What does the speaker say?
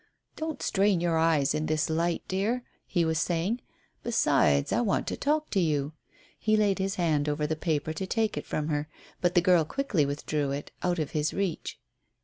"Don't strain your eyes in this light, dear," he was saying. "Besides, I want to talk to you." He laid his hand upon the paper to take it from her. But the girl quickly withdrew it out of his reach.